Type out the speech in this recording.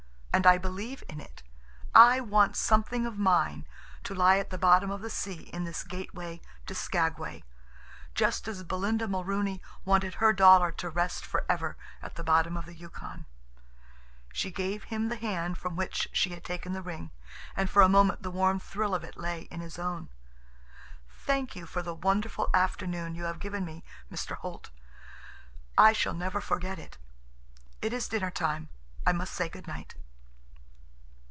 And I believe in it. I want something of mine to lie at the bottom of the sea in this gateway to Skagway, just as Belinda Mulrooney wanted her dollar to rest forever at the bottom of the Yukon." She gave him the hand from which she had taken the ring, and for a moment the warm thrill of it lay in his own. "Thank you for the wonderful afternoon you have given me, Mr. Holt. I shall never forget it. It is dinner time. I must say good night."